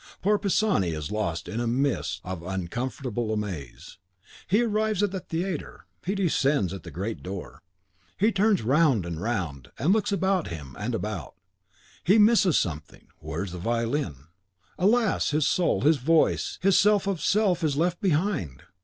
Poor Pisani is lost in a mist of uncomfortable amaze. He arrives at the theatre; he descends at the great door; he turns round and round, and looks about him and about: he misses something, where is the violin? Alas! his soul, his voice, his self of self, is left behind!